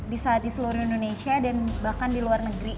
bisa di seluruh indonesia dan bahkan di luar negeri